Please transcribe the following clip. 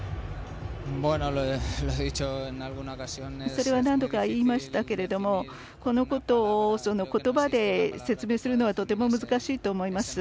それは何度か言いましたけれどもこのことを言葉で説明するのはとても難しいと思います。